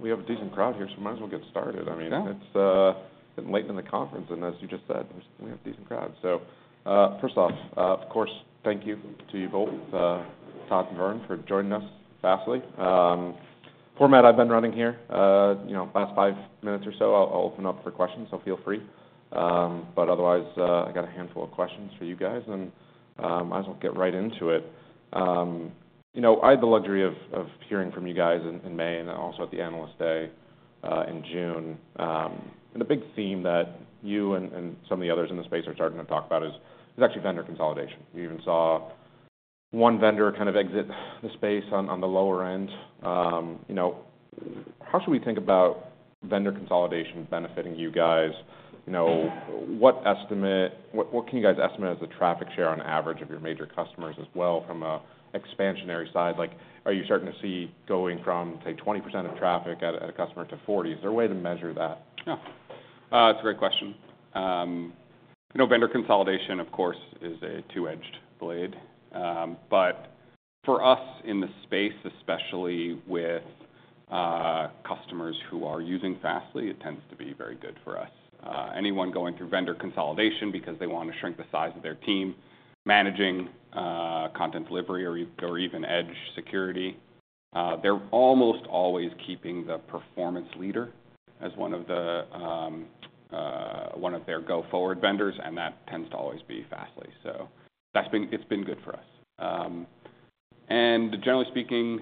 Well, we have a decent crowd here, so might as well get started. I mean it's getting late in the conference, and as you just said, we have a decent crowd. So, first off, of course, thank you to you both, Todd and Vern, for joining us, Fastly. Format I've been running here, you know, last five minutes or so, I'll open up for questions, so feel free. But otherwise, I got a handful of questions for you guys, and might as well get right into it. You know, I had the luxury of hearing from you guys in May and then also at the Analyst Day in June. And the big theme that you and some of the others in the space are starting to talk about is actually vendor consolidation. We even saw one vendor kind of exit the space on the lower end. You know, how should we think about vendor consolidation benefiting you guys? You know, what can you guys estimate as the traffic share on average of your major customers as well from a expansionary side? Like, are you starting to see going from, say, 20% of traffic at a customer to 40%? Is there a way to measure that? Yeah. It's a great question. You know, vendor consolidation, of course, is a two-edged blade. But for us in the space, especially with customers who are using Fastly, it tends to be very good for us. Anyone going through vendor consolidation because they want to shrink the size of their team, managing content delivery or even edge security, they're almost always keeping the performance leader as one of their go-forward vendors, and that tends to always be Fastly. So that's been... It's been good for us. And generally speaking,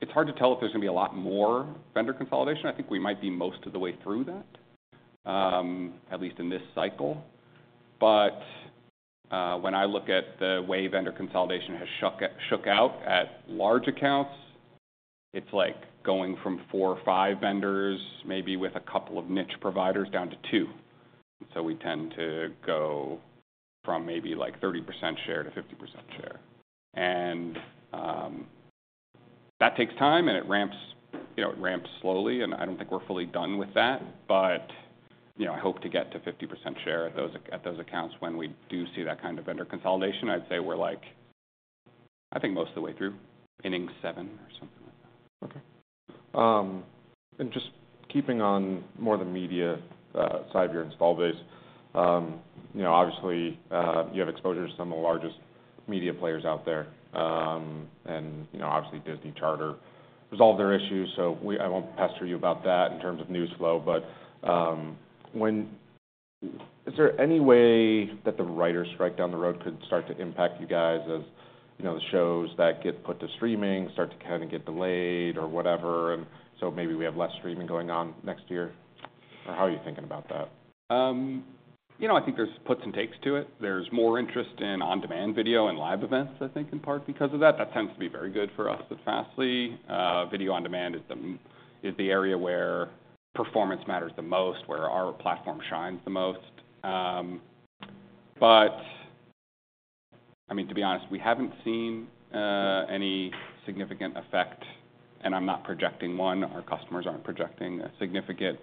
it's hard to tell if there's gonna be a lot more vendor consolidation. I think we might be most of the way through that, at least in this cycle. But when I look at the way vendor consolidation has shook out at large accounts, it's like going from four or five vendors, maybe with a couple of niche providers, down to two. So we tend to go from maybe, like, 30% share to 50% share. And that takes time, and it ramps, you know, it ramps slowly, and I don't think we're fully done with that. But, you know, I hope to get to 50% share at those accounts when we do see that kind of vendor consolidation. I'd say we're like, I think, most of the way through, inning 7 or something like that. Okay. And just keeping on more the media side of your install base, you know, obviously, you have exposure to some of the largest media players out there. And, you know, obviously, Disney Charter resolved their issues, so I won't pester you about that in terms of news flow. But, is there any way that the writers' strike down the road could start to impact you guys as, you know, the shows that get put to streaming start to kind of get delayed or whatever, and so maybe we have less streaming going on next year? Or how are you thinking about that? You know, I think there's puts and takes to it. There's more interest in on-demand video and live events, I think, in part because of that. That tends to be very good for us at Fastly. Video on demand is the area where performance matters the most, where our platform shines the most. But, I mean, to be honest, we haven't seen any significant effect, and I'm not projecting one. Our customers aren't projecting a significant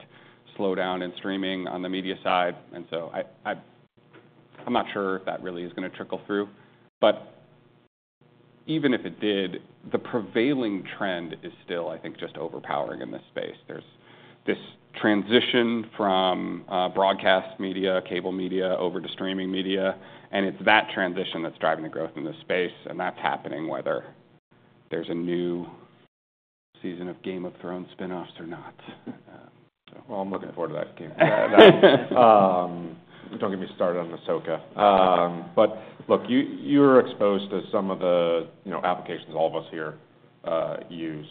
slowdown in streaming on the media side, and so I'm not sure if that really is gonna trickle through. But even if it did, the prevailing trend is still, I think, just overpowering in this space. There's this transition from broadcast media, cable media, over to streaming media, and it's that transition that's driving the growth in this space, and that's happening whether there's a new season of Game of Thrones spin-offs or not. Well, I'm looking forward to that Game of Thrones. Don't get me started on Ahsoka. But look, you are exposed to some of the, you know, applications all of us here use,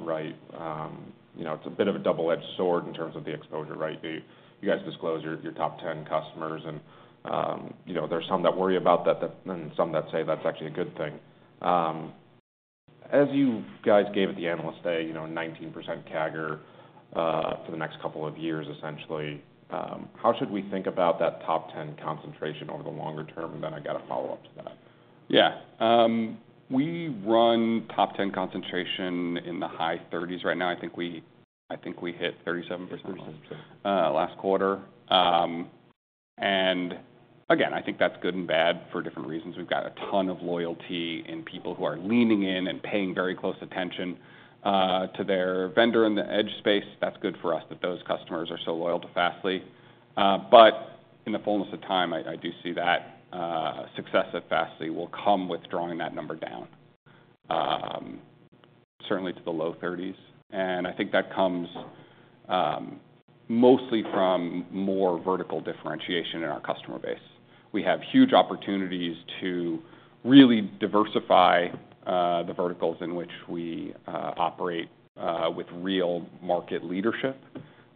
right? You know, it's a bit of a double-edged sword in terms of the exposure, right? You guys disclose your top 10 customers and, you know, there are some that worry about that, and some that say that's actually a good thing. As you guys gave at the analyst day, you know, 19% CAGR for the next couple of years, essentially, how should we think about that top 10 concentration over the longer term? And then I got a follow-up to that. Yeah. We run top 10 concentration in the high 30s right now. I think we hit 37% last quarter. And again, I think that's good and bad for different reasons. We've got a ton of loyalty in people who are leaning in and paying very close attention to their vendor in the edge space. That's good for us, that those customers are so loyal to Fastly. But in the fullness of time, I do see that success at Fastly will come with drawing that number down, certainly to the low thirties. And I think that comes mostly from more vertical differentiation in our customer base. We have huge opportunities to really diversify the verticals in which we operate with real market leadership.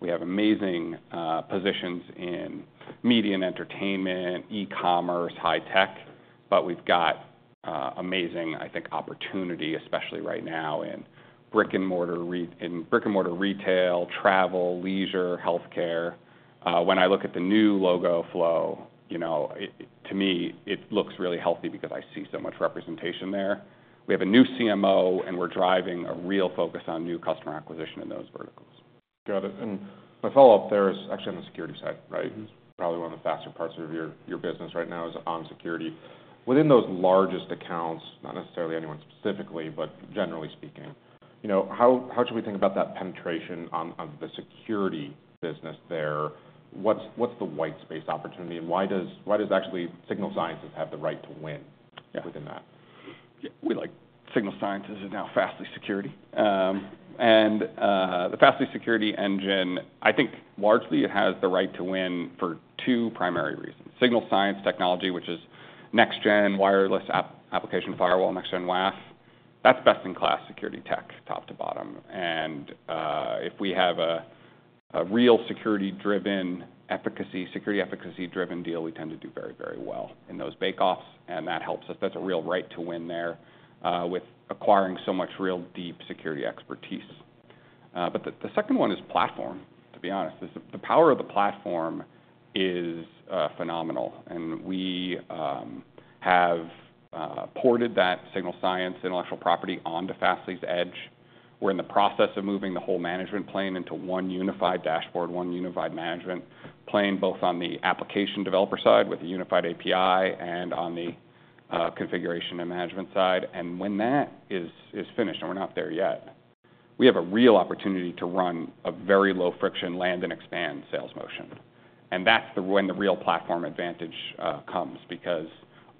We have amazing positions in media and entertainment, e-commerce, high tech, but we've got amazing, I think, opportunity, especially right now in brick-and-mortar retail, travel, leisure, healthcare. When I look at the new logo flow, you know, to me, it looks really healthy because I see so much representation there. We have a new CMO, and we're driving a real focus on new customer acquisition in those verticals. Got it. And my follow-up there is actually on the security side, right? Probably one of the faster parts of your business right now is on security. Within those largest accounts, not necessarily anyone specifically, but generally speaking, you know, how should we think about that penetration on the security business there? What's the white space opportunity, and why does actually Signal Sciences have the right to win within that? Yeah, we like Signal Sciences is now Fastly Security. The Fastly Security engine, I think largely it has the right to win for two primary reasons: Signal Sciences technology, which is next-gen web application firewall, next-gen WAF. That's best-in-class security tech, top to bottom. If we have a real security-driven efficacy, security efficacy-driven deal, we tend to do very, very well in those bakeoffs, and that helps us. That's a real right to win there with acquiring so much real, deep security expertise. But the second one is platform, to be honest. The power of the platform is phenomenal, and we have ported that Signal Sciences intellectual property onto Fastly's Edge. We're in the process of moving the whole management plane into one unified dashboard, one unified management plane, both on the application developer side with a unified API and on the configuration and management side. And when that is finished, and we're not there yet, we have a real opportunity to run a very low-friction land and expand sales motion. And that's when the real platform advantage comes because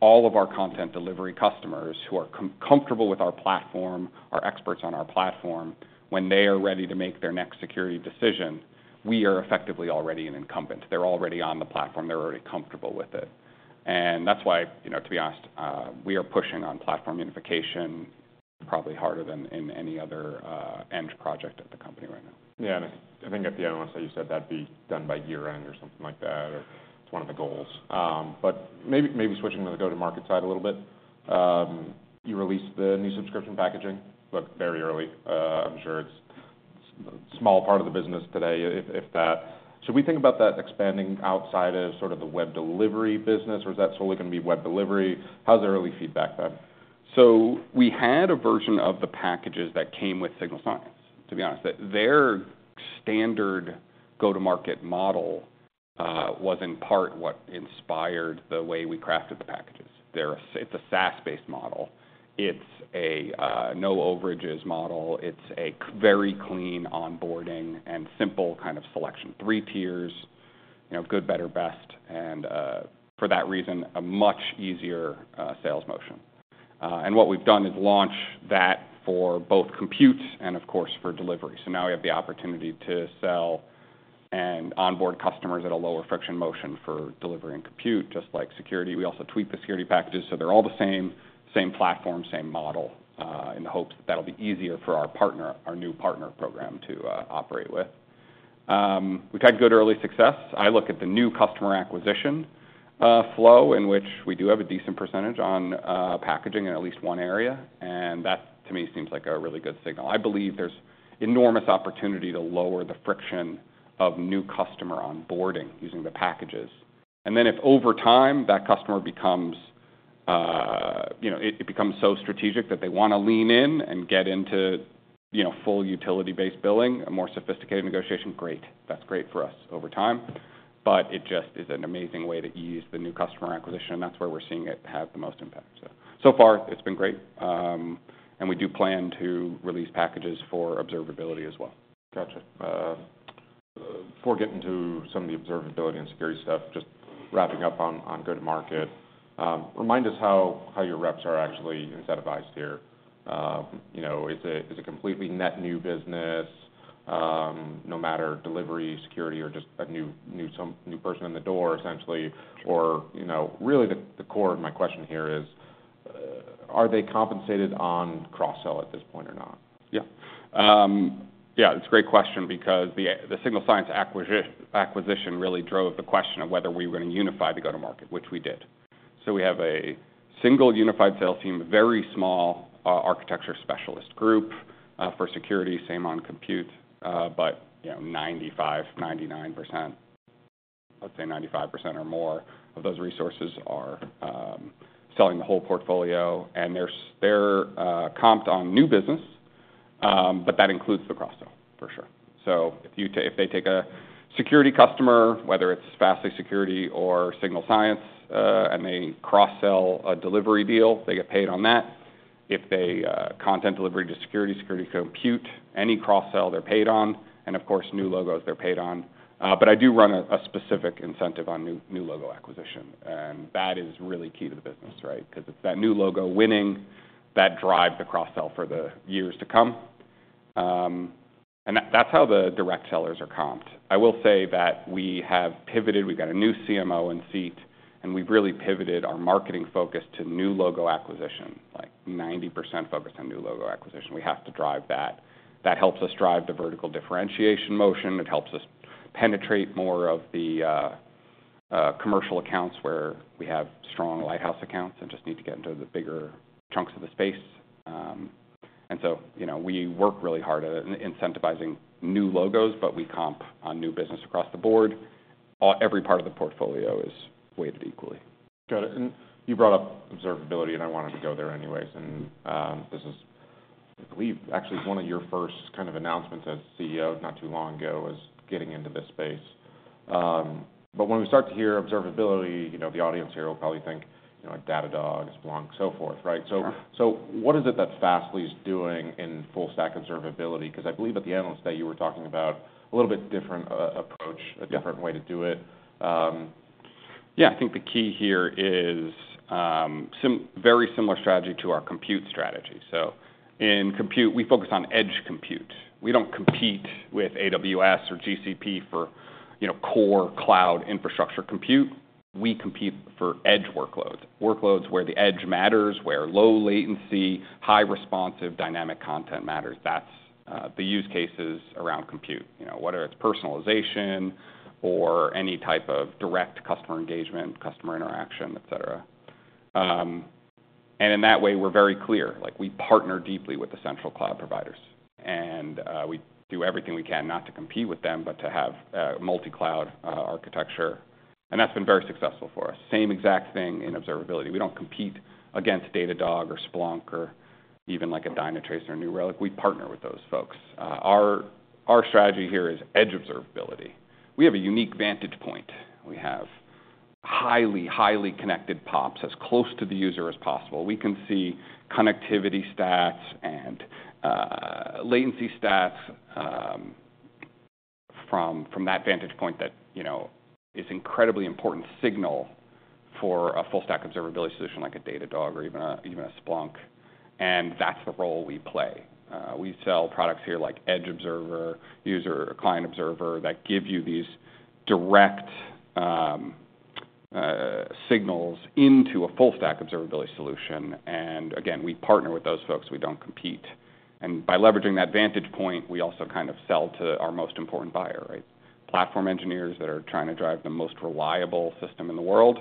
all of our content delivery customers who are comfortable with our platform, are experts on our platform, when they are ready to make their next security decision, we are effectively already an incumbent. They're already on the platform, they're already comfortable with it. And that's why, you know, to be honest, we are pushing on platform unification probably harder than in any other end project at the company right now. Yeah, and I think at the end, unless you said that'd be done by year-end or something like that, or it's one of the goals. But maybe switching to the go-to-market side a little bit. You released the new subscription packaging, but very early. I'm sure it's a small part of the business today, if that. Should we think about that expanding outside of sort of the web delivery business, or is that solely gonna be web delivery? How's the early feedback been? So we had a version of the packages that came with Signal Sciences, to be honest. Their standard go-to-market model was in part what inspired the way we crafted the packages. They're a SaaS-based model. It's a no overages model. It's a very clean onboarding and simple kind of selection. Three tiers, you know, good, better, best, and for that reason, a much easier sales motion. And what we've done is launch that for both compute and of course, for delivery. So now we have the opportunity to sell and onboard customers at a lower friction motion for delivery and compute, just like security. We also tweaked the security packages, so they're all the same, same platform, same model, in the hopes that that'll be easier for our partner, our new partner program to operate with. We've had good early success. I look at the new customer acquisition flow, in which we do have a decent percentage on packaging in at least one area, and that, to me, seems like a really good signal. I believe there's enormous opportunity to lower the friction of new customer onboarding using the packages. And then if over time, that customer becomes, you know, it becomes so strategic that they wanna lean in and get into, you know, full utility-based billing, a more sophisticated negotiation, great! That's great for us over time. But it just is an amazing way to ease the new customer acquisition, and that's where we're seeing it have the most impact. So, so far, it's been great. And we do plan to release packages for observability as well. Gotcha. Before getting to some of the observability and security stuff, just wrapping up on go-to-market, remind us how your reps are actually incentivized here. You know, is it completely net new business, no matter delivery, security, or just a new person in the door, essentially? Or, you know, really the core of my question here is, are they compensated on cross-sell at this point or not? Yeah. Yeah, it's a great question because the, the Signal Sciences acquisition really drove the question of whether we were going to unify the go-to-market, which we did. So we have a single unified sales team, a very small architecture specialist group for security, same on compute, but, you know, 95%, 99%, let's say 95% or more of those resources are selling the whole portfolio, and they're comped on new business, but that includes the cross-sell, for sure. So if they take a security customer, whether it's Fastly Security or Signal Sciences, and they cross-sell a delivery deal, they get paid on that. If they content delivery to security, security, compute, any cross-sell, they're paid on, and of course, new logos, they're paid on. But I do run a specific incentive on new logo acquisition, and that is really key to the business, right? 'Cause it's that new logo winning that drives the cross-sell for the years to come. And that's how the direct sellers are comped. I will say that we have pivoted. We've got a new CMO in seat, and we've really pivoted our marketing focus to new logo acquisition, like 90% focus on new logo acquisition. We have to drive that. That helps us drive the vertical differentiation motion. It helps us penetrate more of the commercial accounts where we have strong lighthouse accounts and just need to get into the bigger chunks of the space. And so, you know, we work really hard at incentivizing new logos, but we comp on new business across the board. Every part of the portfolio is weighted equally. Got it. And you brought up observability, and I wanted to go there anyways. And this is, I believe, actually one of your first kind of announcements as CEO, not too long ago, was getting into this space. But when we start to hear observability, you know, the audience here will probably think, you know, like Datadog, Splunk, so forth, right? So, what is it that Fastly is doing in full stack observability? Because I believe at the Analyst Day, you were talking about a little bit different approach, a different way to do it. Yeah. I think the key here is very similar strategy to our compute strategy. So in compute, we focus on edge compute. We don't compete with AWS or GCP for, you know, core cloud infrastructure compute. We compete for edge workloads, workloads where the edge matters, where low latency, high responsive, dynamic content matters. That's the use cases around compute, you know, whether it's personalization or any type of direct customer engagement, customer interaction, et cetera. And in that way, we're very clear, like, we partner deeply with the central cloud providers, and we do everything we can not to compete with them, but to have multi-cloud architecture. And that's been very successful for us. Same exact thing in observability. We don't compete against Datadog or Splunk or even like a Dynatrace or New Relic. We partner with those folks. Our strategy here is edge observability. We have a unique vantage point. We have highly connected POPs as close to the user as possible. We can see connectivity stats and latency stats from that vantage point that, you know, is incredibly important signal for a full-stack observability solution, like a Datadog or even a Splunk, and that's the role we play. We sell products here like Edge Observer, User or Client Observer, that give you these direct signals into a full-stack observability solution, and again, we partner with those folks, we don't compete. By leveraging that vantage point, we also kind of sell to our most important buyer, right? Platform engineers that are trying to drive the most reliable system in the world.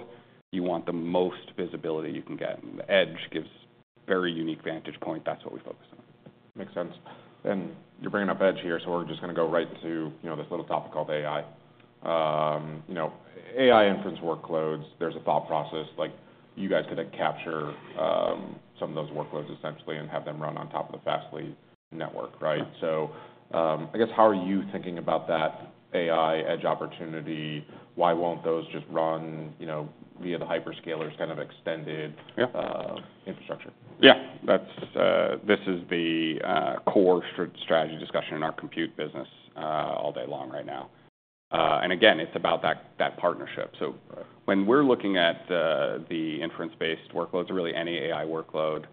You want the most visibility you can get, and the edge gives very unique vantage point. That's what we focus on. Makes sense. Then you're bringing up edge here, so we're just gonna go right to, you know, this little topic called AI. You know, AI inference workloads, there's a thought process, like you guys could capture some of those workloads essentially and have them run on top of the Fastly network, right? So, I guess, how are you thinking about that AI edge opportunity? Why won't those just run, you know, via the hyperscalers kind of extended infrastructure? Yeah, that's this is the core strategy discussion in our compute business all day long right now. And again, it's about that partnership. So when we're looking at the inference-based workloads or really any AI workload,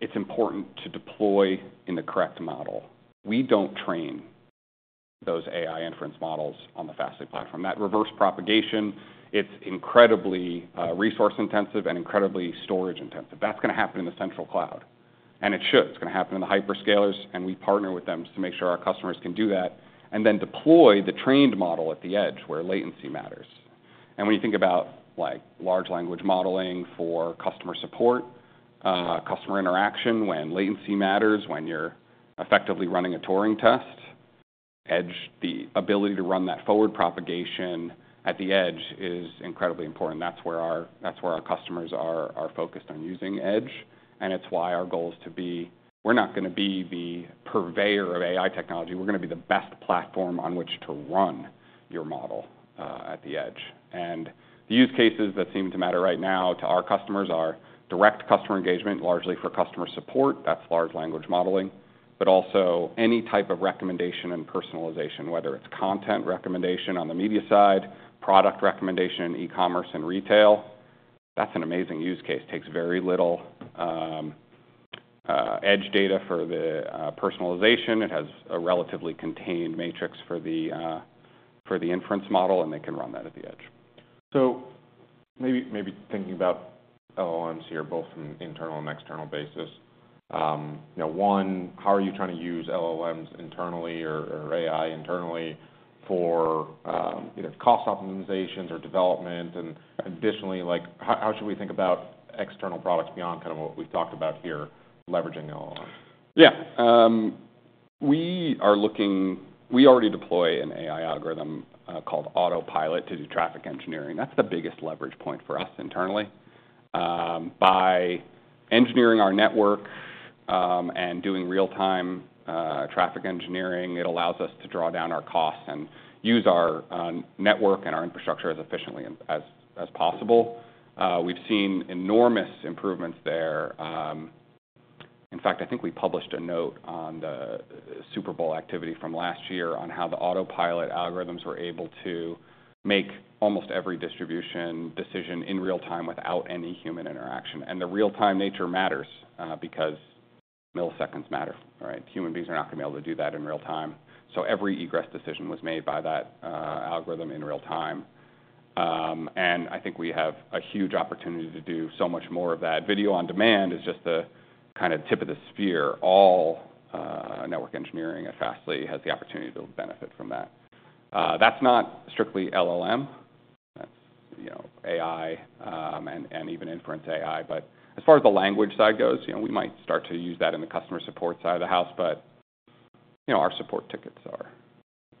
it's important to deploy in the correct model. We don't train those AI inference models on the Fastly platform. That reverse propagation, it's incredibly resource intensive and incredibly storage intensive. That's gonna happen in the central cloud, and it should. It's gonna happen in the hyperscalers, and we partner with them to make sure our customers can do that, and then deploy the trained model at the edge, where latency matters. And when you think about, like, large language modeling for customer support, customer interaction, when latency matters, when you're effectively running a Turing test, edge, the ability to run that forward propagation at the edge is incredibly important. That's where our customers are focused on using edge, and it's why our goal is to be... We're not gonna be the purveyor of AI technology. We're gonna be the best platform on which to run your model, at the edge. And the use cases that seem to matter right now to our customers are direct customer engagement, largely for customer support, that's large language modeling, but also any type of recommendation and personalization, whether it's content recommendation on the media side, product recommendation in e-commerce and retail. That's an amazing use case. Takes very little edge data for the personalization. It has a relatively contained matrix for the inference model, and they can run that at the edge. So maybe thinking about LLMs here, both from an internal and external basis. You know, one, how are you trying to use LLMs internally or AI internally for, you know, cost optimizations or development? And additionally, like, how should we think about external products beyond kind of what we've talked about here, leveraging LLMs? Yeah. We already deploy an AI algorithm called Autopilot to do traffic engineering. That's the biggest leverage point for us internally. By engineering our network and doing real-time traffic engineering, it allows us to draw down our costs and use our network and our infrastructure as efficiently as possible. We've seen enormous improvements there. In fact, I think we published a note on the Super Bowl activity from last year on how the Autopilot algorithms were able to make almost every distribution decision in real time without any human interaction. And the real-time nature matters because milliseconds matter, right? Human beings are not gonna be able to do that in real time. So every egress decision was made by that algorithm in real time. and I think we have a huge opportunity to do so much more of that. Video on demand is just the kind of tip of the spear. All, network engineering at Fastly has the opportunity to benefit from that. That's not strictly LLM, you know, AI, and even inference AI. But as far as the language side goes, you know, we might start to use that in the customer support side of the house, but, you know, our support tickets are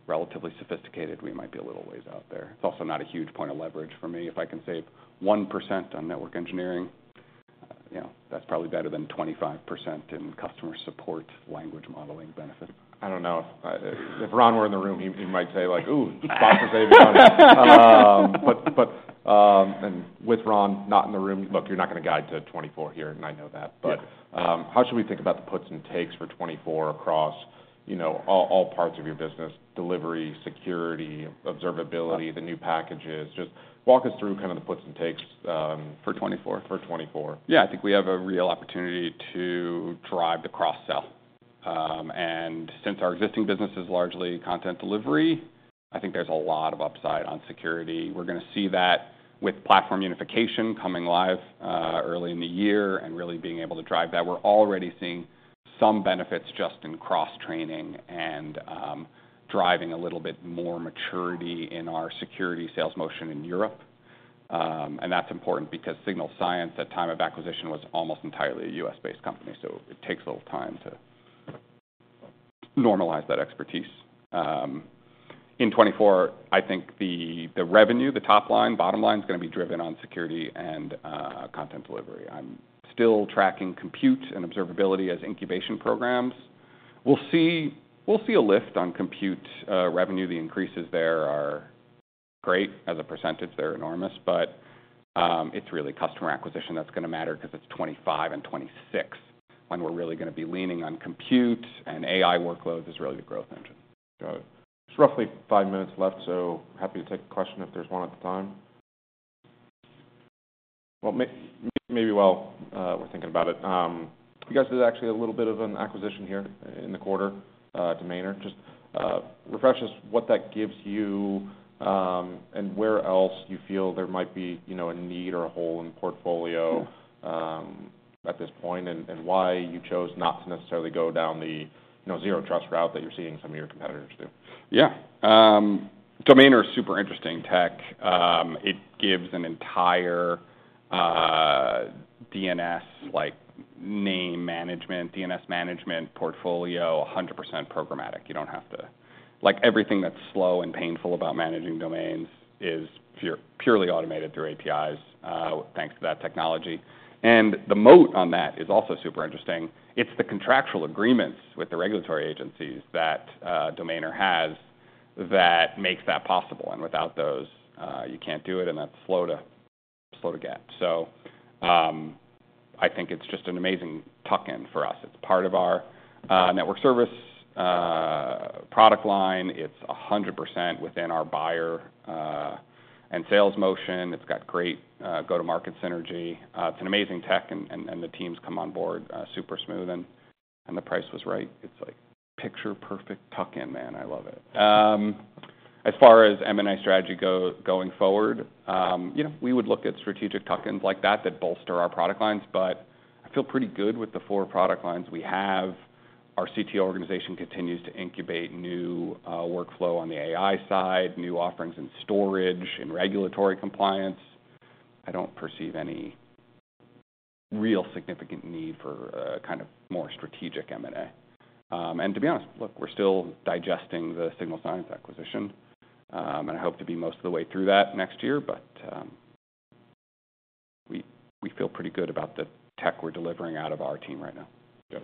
relatively sophisticated. We might be a little ways out there. It's also not a huge point of leverage for me. If I can save 1% on network engineering, you know, that's probably better than 25% in customer support language modeling benefit. I don't know if if Ron were in the room, he might say, like, "Ooh, bots are saving money." But with Ron not in the room... Look, you're not gonna guide to 2024 here, and I know that. How should we think about the puts and takes for 2024 across, you know, all, all parts of your business: delivery, security, observability, the new packages? Just walk us through kind of the puts and takes. For 2024? For 2024. Yeah, I think we have a real opportunity to drive the cross sell. And since our existing business is largely content delivery, I think there's a lot of upside on security. We're gonna see that with platform unification coming live, early in the year and really being able to drive that. We're already seeing some benefits just in cross-training and, driving a little bit more maturity in our security sales motion in Europe. And that's important because Signal Sciences, at time of acquisition, was almost entirely a U.S.-based company, so it takes a little time to normalize that expertise. In 2024, I think the revenue, the top line, bottom line, is gonna be driven on security and, content delivery. I'm still tracking compute and observability as incubation programs. We'll see, we'll see a lift on compute, revenue. The increases there are great. As a percentage, they're enormous, but it's really customer acquisition that's gonna matter 'cause it's 2025 and 2026 when we're really gonna be leaning on compute and AI workloads as really the growth engine. Got it. Just roughly five minutes left, so happy to take a question if there's one at the time. Well, maybe while we're thinking about it, you guys did actually a little bit of an acquisition here in the quarter to Domainr. Just refresh us what that gives you, and where else you feel there might be, you know, a need or a hole in the portfolio at this point, and why you chose not to necessarily go down the, you know, zero trust route that you're seeing some of your competitors do? Yeah. Domainr is super interesting tech. It gives an entire DNS, like, name management, DNS management portfolio, 100% programmatic. You don't have to-- Like, everything that's slow and painful about managing domains is pure, purely automated through APIs, thanks to that technology. And the moat on that is also super interesting. It's the contractual agreements with the regulatory agencies that Domainr has that makes that possible, and without those, you can't do it, and that's slow to, slow to get. So, I think it's just an amazing tuck-in for us. It's part of our network service product line. It's 100% within our buyer and sales motion. It's got great go-to-market synergy. It's an amazing tech, and the team's come on board super smooth, and the price was right. It's like picture-perfect tuck-in, man, I love it. As far as M&A strategy going forward, you know, we would look at strategic tuck-ins like that, that bolster our product lines, but I feel pretty good with the four product lines we have. Our CTO organization continues to incubate new, workflow on the AI side, new offerings in storage and regulatory compliance. I don't perceive any real significant need for a kind of more strategic M&A. And to be honest, look, we're still digesting the Signal Sciences acquisition, and I hope to be most of the way through that next year, but, we, we feel pretty good about the tech we're delivering out of our team right now.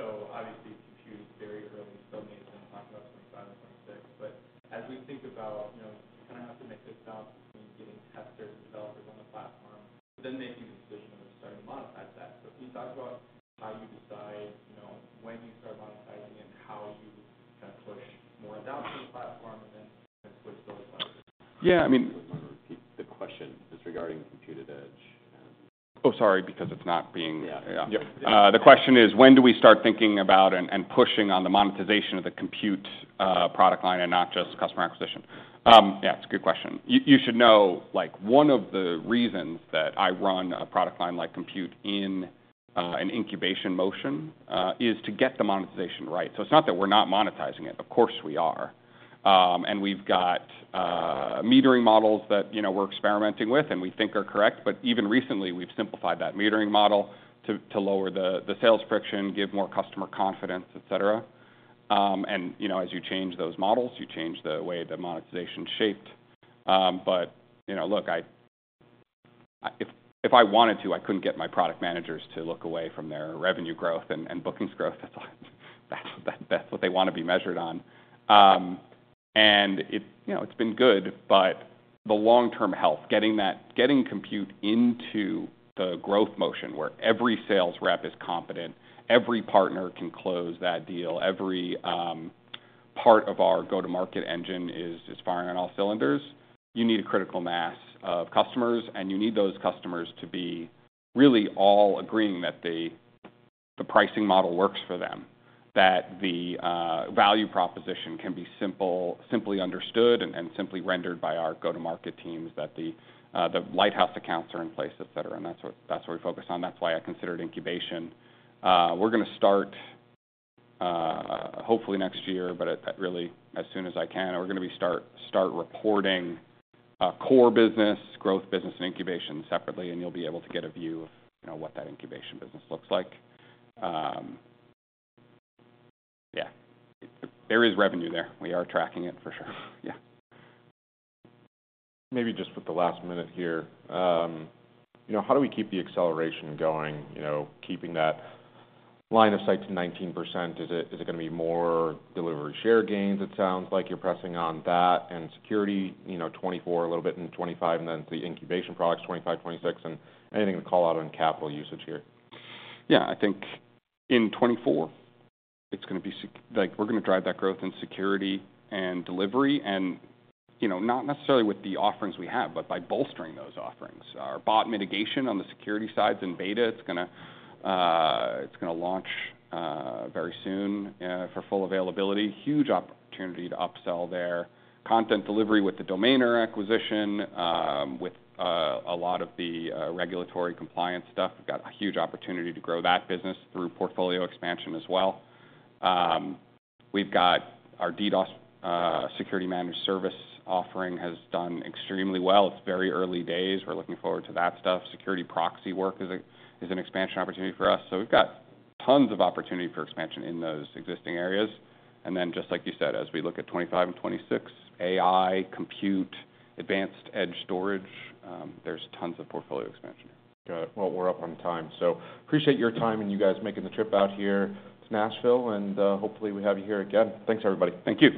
Yeah. So obviously, compute is very early, still needs to talk about some sides of things. But as we think about, you know, you kind of have to make this balance between getting testers and developers on the platform, but then making the decision of starting to monetize that. So can you talk about how you decide, you know, when you start monetizing and how you kind of push more down to the platform and then switch those sides? Yeah, I mean- Repeat the question. It's regarding Compute Edge. Oh, sorry, because it's not being- Yeah. Yeah. Yeah. The question is, when do we start thinking about and pushing on the monetization of the Compute product line and not just customer acquisition? Yeah, it's a good question. You should know, like, one of the reasons that I run a product line like Compute in an incubation motion is to get the monetization right. So it's not that we're not monetizing it, of course, we are. And we've got metering models that, you know, we're experimenting with and we think are correct, but even recently, we've simplified that metering model to lower the sales friction, give more customer confidence, et cetera. And, you know, as you change those models, you change the way the monetization shaped. But, you know, look, if I wanted to, I couldn't get my product managers to look away from their revenue growth and bookings growth. That's what they want to be measured on. And it, you know, it's been good, but the long-term health, getting Compute into the growth motion, where every sales rep is competent, every partner can close that deal, every part of our go-to-market engine is firing on all cylinders, you need a critical mass of customers, and you need those customers to be really all agreeing that the pricing model works for them, that the value proposition can be simply understood and simply rendered by our go-to-market teams, that the lighthouse accounts are in place, et cetera. And that's what we're focused on. That's why I considered incubation. We're gonna start, hopefully next year, but really, as soon as I can, we're gonna be starting reporting core business, growth business, and incubation separately, and you'll be able to get a view of, you know, what that incubation business looks like. Yeah, there is revenue there. We are tracking it for sure. Yeah. Maybe just with the last minute here, you know, how do we keep the acceleration going? You know, keeping that line of sight to 19%, is it, is it gonna be more delivery share gains? It sounds like you're pressing on that and security, you know, 2024 a little bit, and 2025, and then the incubation products, 2025, 2026, and anything to call out on capital usage here. Yeah, I think in 2024, it's gonna be. Like, we're gonna drive that growth in security and delivery and, you know, not necessarily with the offerings we have, but by bolstering those offerings. Our bot mitigation on the security side is in beta. It's gonna, it's gonna launch very soon for full availability. Huge opportunity to upsell there. Content delivery with the Domainr acquisition, with a lot of the regulatory compliance stuff. We've got a huge opportunity to grow that business through portfolio expansion as well. We've got our DDoS security managed service offering has done extremely well. It's very early days. We're looking forward to that stuff. Security proxy work is an expansion opportunity for us. So we've got tons of opportunity for expansion in those existing areas. And then, just like you said, as we look at 2025 and 2026, AI, compute, advanced edge storage, there's tons of portfolio expansion. Got it. Well, we're up on time, so appreciate your time and you guys making the trip out here to Nashville, and hopefully, we have you here again. Thanks, everybody. Thank you.